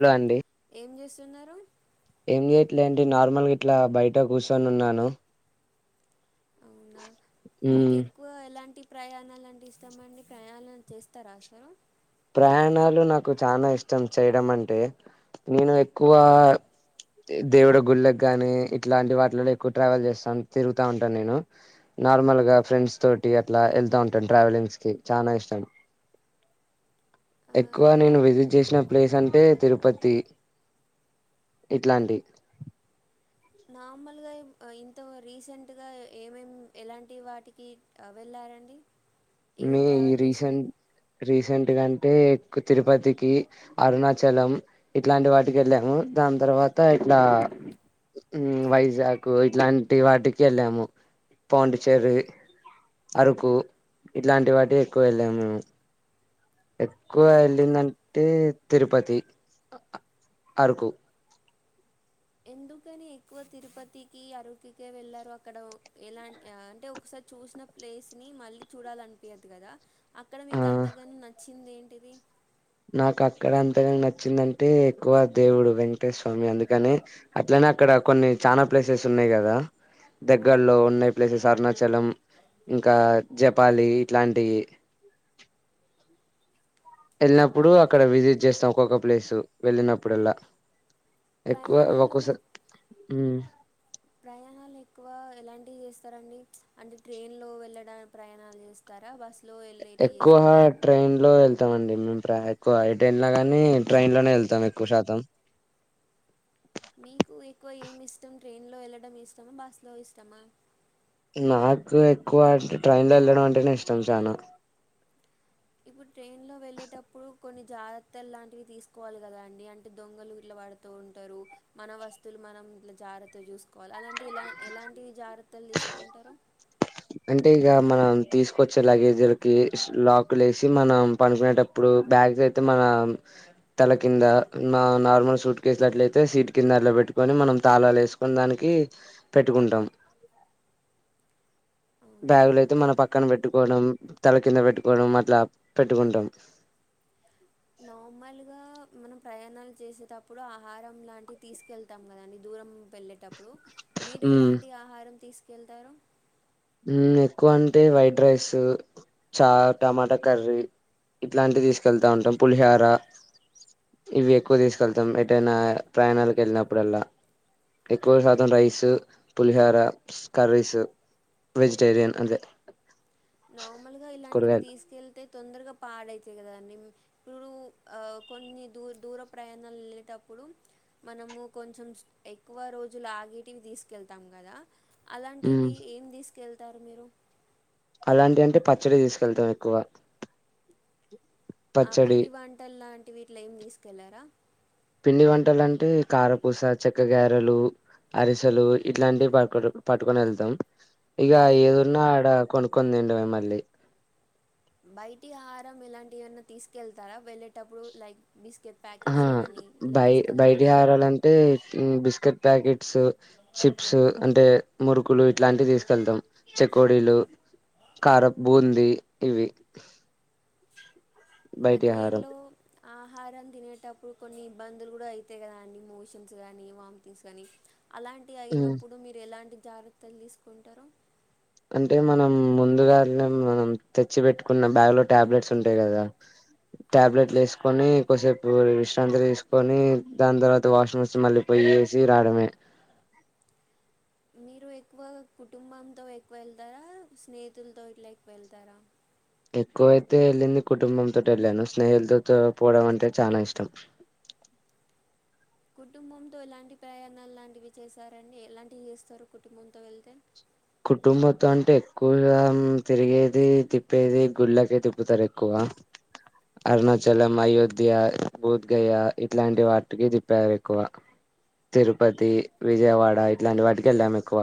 Hello అండి ఏం చేస్తున్నారు లే అండి నార్మల్గా ఇట్లా బయట కూర్చొని ఉన్నాను అవునా మ్మ్ మీకు ఎక్కువ ఎలాంటి ప్రయాణాలు అంటే ఇష్టమండి ప్రయాణాలు చేస్తరా అసలు ప్రయాణాలు నాకు చాలా ఇష్టం చేయడం అంటే నేను ఎక్కువ దేవుడు గుళ్ళకి గాని ఇట్లాంటి వాటిలో ఎక్కువ ట్రావెల్ చేస్తా తిరుగుతా ఉంటాను నేను నార్మల్ గా ఫ్రెండ్స్ తోటి అట్లా వెళ్తా ఉంటాం ట్రావెలింగ్స్ కి చనా ఇష్టం ఆ, ఎక్కువ నా నేను విజిట్ చేసి ప్లేస్ అంటే తిరుపతి ఇట్లాంటివి నార్మల్గా ఇంత రీసెంట్ గా ఏమేం ఎలాంటి వాటికి వెళ్ళాలి మీ ఈ రీసెంట్ రిస గా అంటే ఎక్కువ తిరుపతికి అరుణాచలం ఇట్లాంటి వాటికి వెళ్ళాము దాని తర్వాత తర్వాత ఇట్లా వైజాగ్ ఇట్లాంటి వాటికి వెళ్ళాము పాండిచ్చేరి అరకు ఇట్లాంటి వాటికి ఎక్కువ వెళ్ళాము మేము ఎక్కువ మీకు వెళ్ళిందంటే తిరుపతి అరుకు ఎందుకని ఎక్కువ తిరుపతికి అరకుకి వెళ్లారు అక్కడ ఎలాంటి అంటే ఒకసారి చూసిన ప్లేస్ ని మళ్ళీ చూడాలనిపియ్యదు కదా అక్కడ ఆ మీకు అంతగాని నచ్చింది ఏంటిది నాకు అక్కడ అంతగా నచ్చిందంటే ఎక్కువ దేవుడు వెంకటేశరస్వామి అందుకని అట్లా అక్కడ కొన్ని చానా ప్లేసెస్ ఉన్నాయి కదా దగ్గర్లో ఉన్నాయి ప్లేసెస్ అరుణాచలం ఇంకా జపాలి ఇట్లాంటియి వెళ్ళినప్పుడు దెన్ అక్కడ విజిట్ చేస్తాం ఒక్కొక్క ప్లేస్ వెళ్ళినప్పుడల్లా ఎక్కువ ప్రయాణాలు ఒక్కసారి ప్రయాణాలు ఎక్కువ ఎలాంటివి చేస్తారండి అంటే ట్రైన్ లో వెళ్ళడానికి ప్రయాణాలు చేస్తారా బస్ ఎక్కువ ట్రైన్ లో వెళ్తామండి ఎక్కువ ఎటు వెళ్లిన గాని ట్రైన్ లోనే వెళ్తాం ఎక్కువ శాతం మీకు ఎక్కువ ఏమి ఇష్టం ట్రైన్ లో వెళ్ళడం ఇష్టమా బస్సులో ఇష్టమా నాకు ఎక్కువ అంటే ట్రైన్ లో వెళ్ళడం అంటేనే ఇష్టం చాలా ఇప్పుడు ట్రైన్ లో వెళ్ళేటప్పుడు కొన్ని జాగ్రత్తలు లాంటివి తీసుకోవాలి కదా అండి అంటే దొంగలు ఇట్లా పడుతూ ఉంటారు మన వస్తువులు మనం ఇట్లా జాగ్రత్త చూసుకోవాలి అలాంటి ఎలాంటి జాగ్రత్తలు తీసుకుంటారు అంటే ఇక మనం తీసుకొచ్చే లగేజీలకి లాక్ లేసి మనం పనుకునేటప్పుడు బ్యాగులు అయితే మన తల కింద నార్మల్ సూట్ కేసినట్లయితే సీట్ కింద అలా పెట్టుకొని మనం తాళలు వేసుకొని దానికి పెట్టుకుంటాం బ్యాగులు అవునండి అయితే నో మన పక్కన పెట్టుకోవడం తల కింద పెట్టుకోవడం అట్లా పెట్టుకుంటాం నార్మల్గా మనం ప్రయాణాలు చేసేటప్పుడు ఆహారం లాంటివి తీసుకెళ్తాం కదండి దూరం వెళ్ళేటప్పుడు మీరు ఉమ్ ఎలాంటి ఆహారం తీసుకెళ్తారు ఎక్కువ అంటే వైట్ రైస్ చా టమాటా కర్రీ ఇట్లాంటివి తీసుకెళ్తా ఉంటాం పులిహర ఇవి ఎక్కువ తీసుకెళ్తాం ఎటైనా ప్రయాణాలకు వెళ్ళినప్పుడల్లా ఎక్కువ శాతం రైస్ పులిహర కర్రీసు వెజిటేరియన్ అంతే నార్మల్ గా ఇలాంటివి తీసుకెళ్తే తొందరగా పాడైతాయి కదా అండి ఇప్పుడు కొన్ని దూ దూర ప్రయాణాలు వెళ్ళేటప్పుడు ఉ మనము కొంచెం ఎక్కువ రోజులు ఆగేటివి తీసుకెళ్తాం కదా ఉమ్, అలాంటివి ఏం తీసుకెళ్తారు మీరు అలాంటి అంటే పచ్చడి తీసుకెళ్తాం ఎక్కువ ఆ పచ్చడి పిండి వంటలు లాంటి ఇట్లా ఏమి తీసుకెళ్లరా పిండి వంటలంటే కారపూస చెక్క గారెలు అరిసెలు ఇట్లాంటివి పట్టు పట్టుకొని వెళ్తాం ఇగ బయట ఏదున్నా ఆడ కొనుక్కొని తినడమే మళ్లీ బయటి ఆహారం ఇలాంటి ఏవన్నా తీసుకెళ్తారా వెళ్ళేటప్పుడు లైక్ బిస్కెట్ ఆ ప్యాకెట్స్ కానీ ఇట్లా బయ తీసుకెళ్తారా బయటిహారాలంటే బిస్కెట్ ప్యాకెట్స్ చిప్స్ అంటే మురుకులు ఇట్లాంటి తీసుకెళ్తాం చెకోడీలు కారం బూంది ఇవి ఆ బయటి ట్రైన్ ఆహారం లో ఆహారం తినేటప్పుడు కొన్ని ఇబ్బందులు కూడా అయితయి కదా అండి మోషన్స్ కానీ వాంతింగ్స్ కానీ అలాంటివి ఉమ్, అయినప్పుడు మీరు ఎలాంటి జాగ్రత్తలు తీసుకుంటారు అంటే మనం ముందుగానే మనం తెచ్చి పెట్టుకున్న బ్యాగ్ లో టాబ్లెట్స్ ఉంటాయి కదా టాబ్లెట్లు వేసుకొని కొసేపు విశ్రాంతి తీసుకొని దాని తర్వాత వాషింగ్ మెషన్ మళ్ళీపోయి ఏసీ రాడమే మీరు ఎక్కువ కుటుంబంతో ఎక్కువ ఎళ్తారా, స్నేహితులతో ఇట్ల ఎక్కువ వెళ్తారా? ఎక్కువైతే వెళ్ళింది కుటుంబంతోటె ఎళ్ళాను, స్నేహితలతో పోవడం అంటే చానా ఇష్టం. కుటుంబంతో ఎలాంటి ప్రయాణాలు లాంటివి చేశారండి, ఎలాంటివి చేస్తరు కుటుంబంతో వెళ్తే? కుటుంబ తో అంటే ఎక్కువగా తిరిగేది, తిప్పేది గుళ్ళకే తిప్పుతారు ఎక్కువ. అరుణాచలం, అయోధ్య, బూద్గయ ఇట్లాంటి వాటికి తిప్పారు ఎక్కువ. తిరుపతి, విజయవాడ ఇట్లాంటి వాటికి ఎళ్ళాం ఎక్కువ.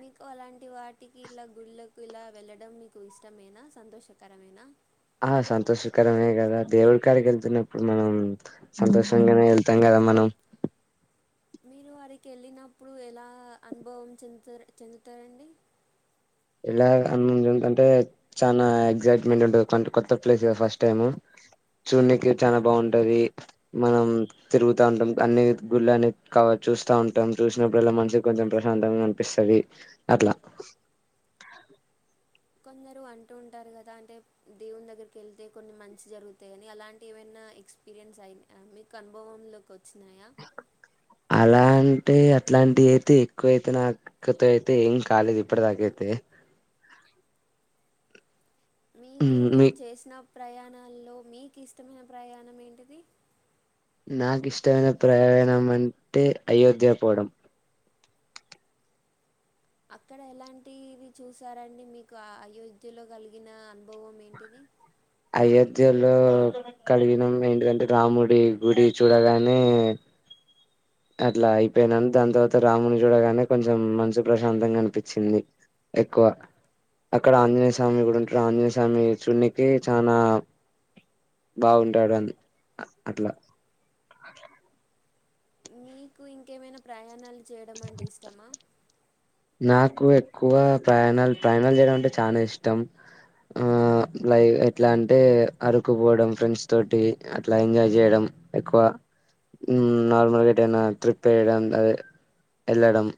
మీకు అలాంటి వాటికి ఇలా గుళ్లకు ఇలా వెళ్ళడం మీకు ఇష్టమేనా, సంతోషకరమేనా? ఆ సంతోషకరమే కదా, దేవుడి కాడికి ఎళ్తున్నప్పుడు మనం సంతోషంగానే వెళ్తాం కద. ద మనం మీరు వారికి ఎళ్ళినప్పుడు ఎలా అనుభవం చెందుతరా చెందుతారండి? ఇలా అందంటే చానా ఎగ్సైట్మెంట్ ఉంటది, కొన్ కొత్త ప్లేస్ కదా ఫస్ట్ టైము. చూడ్నికి చాలా బాగుంటది, మనం తిరుగుతా ఉంటాం, అన్ని గుళ్ళ అన్ని కవర్ చూస్తా ఉంటాం, చూసినప్పుడల్లా మనసుకి కొంచెం ప్రశాంతంగా కనిపిస్తది, అట్లా. కొందరు అంటూ ఉంటారు కదా, అంటే దేవుని దగ్గరికి ఎళ్తే కొన్ని మంచి జరుగుతాయిని, అలాంటి ఏవైనా? ఎక్స్పీరియన్స్ అయి మీకు అనుభవంలోకి వచ్చినాయా? అలా అంటే అట్లాంటి అయితే ఎక్కువైతే నాకతో అయితే ఏం కాలేదు ఇప్పటి దాకైతే. మీకు మీ మీరు చేసిన. ప్రయాణాల్లో మీకి ఇష్టమైన ప్రయాణం ఏంటిది? నాకు ఇష్టమైన ప్రయాణం అంటే అయోధ్య పోవడం. అక్కడ ఎలాంటిది చూసారండి, మీకు అయోధ్యలో కలిగిన అనుభవం ఏంటిది? అయోధ్యలో కడిగినం ఏంటిందం రాముడి గుడి చూడగానే. అట్లా అయిపోయినంత దాని తర్వాత రాముని చూడగానే కొంచెం మంచు ప్రశాంతంగా అనిపించింది. ఎక్కువ అక్కడ ఆంజనేయ స్వామి కూడా ఉంటడు, ఆంజనేయ స్వామినీ చూన్నికి చానా. బాగుంటాడు అది అట్లా. మీకు ఇంకేమైనా ప్రయాణాలు చేయడం అంటే ఇష్టమా? నాకు ఎక్కువ ప్రయాణాలు, ప్రయాణాలు చేయడం అంటే చనా ఇష్టం. ఆ లై ఎట్లా అంటే అరుకుపోవడం ఫ్రెండ్స్ తోటి, అట్లా ఎంజాయ్ చేయడం. ఎక్కువ ఉమ్ నార్మల్గా ఎటైనా ట్రిప్ ఏయడం, అదే ఎళ్ళడం.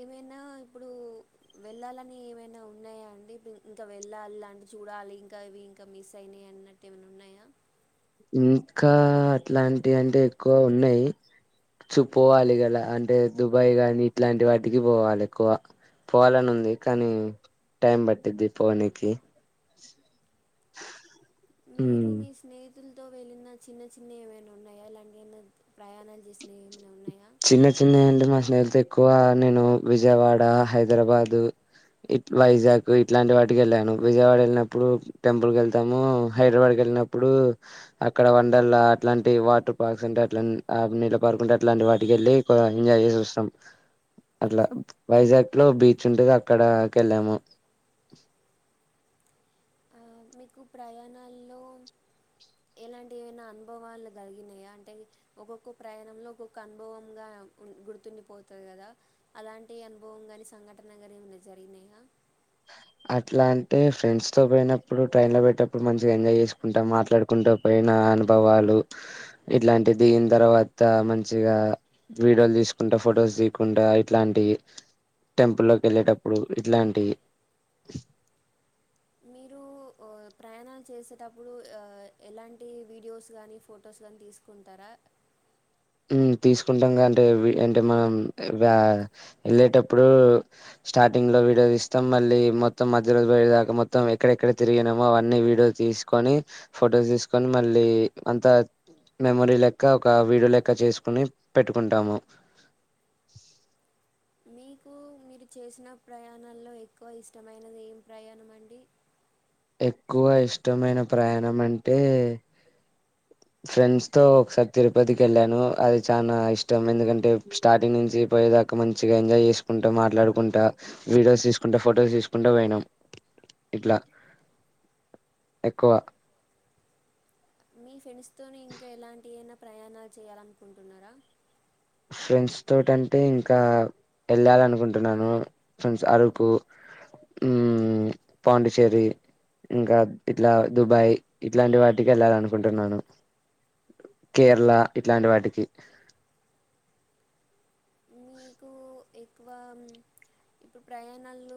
ఏమైనా ఇప్పుడు వెళ్ళాలని ఏమైనా ఉన్నయా అండి, ఇంకా వెళ్ళాలం చూడాలి ఇంకా ఇవి ఇంకా మిస్ అయినయి అన్నట్టు ఏమన్నా ఉన్నయా? ఇంకా అట్లాంటి అంటే ఎక్కువ ఉన్నయి. చూ పోవాలి గలా అంటే దుబాయ్ గాని, ఇట్లాంటి వాటికి పోవాలి ఎక్కువ. పోవాలని ఉంది, కానీ టైం పట్టిద్ది పోనికి. మీరు మీ స్నేహి తులతో వెళ్లిన చిన్న చిన్న ఏమైనా ఉన్నాయా ఎలాంటినా అన్నా ప్రయాణాలు చేసినయి. క్కువ నేను విజయవాడ, హైదరబాదు ఇట్ వైజాగ్ ఇట్లాంటి వాటికి వెళ్ళాను, విజయవాడ ఎళ్ళినప్పుడు టెంపుల్కి వెళ్తాము, హైదరాబాద్ వెళ్ళినప్పుడు అక్కడ వండర్లా అట్లాంటి వాటర్ పార్క్స్ ఉంటే అట్లనే నీళ్ళ పార్కుంటే అట్లాంటి వా టికెళ్ళి కో ఎంజాయ్ జేసి వస్తాం అట్లా వైజాగ్లో బీచ్ ఉంటది అక్కడకెళ్ళాము మీకు ప్రయాణాల్లో ఎలాంటి అయినా అనుభవాలు కలిగినాయా అంటే ఒక్కొక్క ప్రయాణంలో ఒక్కొక్క అనుభవంగా గుర్తుండిపోతది కదా అలాంటి అనుభవం గానీ సంఘటన కానీ ఏమన్న జరిగినయా అట్లా అంటే ఫ్రెండ్స్తో పోయినప్పుడు ట్రైన్ లో పోయేటప్పుడు మంచిగా ఎంజాయ్ చేసుకుంట మాట్లాడుకుంట పోయిన. అనుభవాలు ఇట్లాంటి దిగిన తర్వాత మంచిగా వీడియోలు తీసుకుంట ఫొటోస్ దిగ్కుంట ఇట్లాంటీ టెంపుల్లోకి ఎళ్ళేటప్పుడు ఇట్లాంటీ మీరు ఆ ప్రయాణల్ చేసేటప్పుడు ఆ ఎలాంటి వీడియోస్ గానీ ఫొటోస్ గాని తీసుకుంటారా మ్మ్ తీసుకుంటంగ అంటే అవి అంటే మనం వా ఎళ్ళేటప్పుడు. స్టార్టింగ్ లో వీడియోస్ తీస్తం మళ్ళీ మొత్తం మధ్య రోజు బోయే దాకా మొత్తం ఎక్కడెక్కడ తిరిగినమో అవన్ని వీడియో తీ తీస్కొని ఫొటోస్ తీస్కొని మళ్ళీ అంత మెమోరీ లెక్క ఒక విడియో లె క్క చేస్కుని పెట్టుకుంటాము. మీకు మీరు చేసిన ప్రయాణాల్లో ఎక్కువ ఇష్టమైనది ఏం ప్రయాణం అండి ఎక్కువ ఇష్టమైన ప్రయాణం అంటే ఫ్రెండ్స్తో ఒకసారి తిరుపతికెళ్ళాను అది చాన ఇష్టం ఎందుకంటే స్టార్టింగ్ నుంచి పోయే ద లెక్క మంచిగా ఎంజాయ్ చేకుంట మాట్లాడుకుంట వీడియోస్ తీసుకుంట ఫొటోస్ తీసుకుంట పొయినం ఇట్ల ఎక్కువ మీ ఫ్రెండ్స్తోనే ఇంకా ఎలాంటి అయినా ప్రయాణాలు చేయాలనుకుంటున్నారా ఫ్రెండ్స్ తోటంటే ఇంకా ఎళ్ళాలనుకుంటున్నాను ఫ్రెండ్స్ అరుకు ఉమ్ పాండుచెర్రీ ఇంక ఇట్ల దుబాయ్ ఇట్లాంటి వాటికి ఎళ్ళాలనుకుంటున్నాను కేరళ ఇట్లాంటి వాటికి కు ఎక్కువా ఇప్పుడు ప్రయాణాలు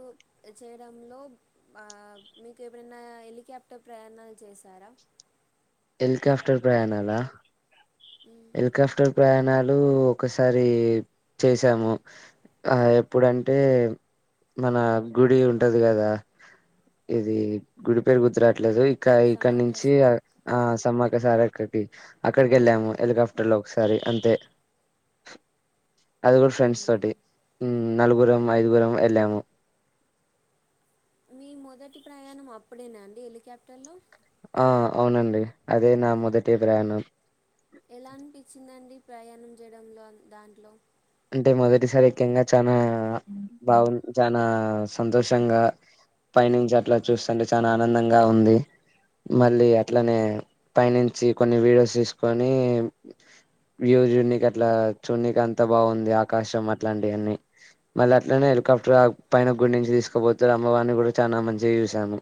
చేయడంలో ఆ మీకు ఎప్పుడైనా హెలిక్యాఫ్టర్ ప్రయాణాలు చేశారా హెలిక్యాఫ్టర్ ప్రయాణాల మ్, హెలికప్టర్ ప్రయాణాల్ మేము ఒకసారి చేసాము ఆ ఎప్పుడంటే మన గుడి ఉంటది కద ఇది గుడి పేరు గుర్తురట్లేదు కయి సమ్మక్క ఇక్కడ్నించి సారక్క సమ్మక్క సారక్కకి అక్కడికి ఎళ్ళాము హెలికాప్టర్లో ఒకసారి అంతే అది కూడ ఫ్రెండ్స్ తోటి అవునండి మ్ నలుగురం ఐదుగురం వెళ్ళాము మీ మొదటి ప్రయాణం అప్పుడేనా అండి హెలికాప్టర్లో ఆ అవునండి అదే నా మొదటి ప్రయాణం ఎలా అనిపించిదండి ప్రయాణం చేయడంలో దాంట్లో అంటే మొదటిసారి ఎక్కంగ, చానా బాగు చానా సంతోషంగా పైనించి అట్లా చూస్తన్టే చాలా ఆనందంగా ఉంది మళ్ళీ అట్లనే పైనించి కొన్ని వీడియోస్ తీస్కొని వ్యూ చూడ్నికె అట్లా, చూడ్నికె అంత బాగుంది ఆకాశం అట్లాంటివన్నీ మళ్ళ అట్లనే హెలికాప్టర్ అ పైన గుడి నుంచి తీసుకపోతే అవన్ని కూడా చాలా మంచిగ చూసాము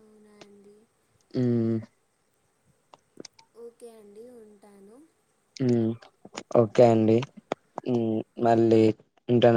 అవునా అండి ఉ ఓకే అండి, ఉంటాను. ఉమ్ ఓకే అండి, ఉ మళ్ళీ ఉంటాన